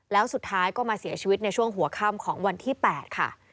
แล้วสุดท้ายก็มาเสียชีวิตในช่วงหัวค่ำของวันที่๘ค่ะ